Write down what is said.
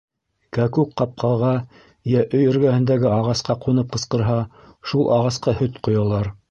Кәкүк ҡапҡаға, йә өй эргәһендәге ағасҡа ҡунып ҡысҡырһа, шул ағасҡа һөт ҡоялар.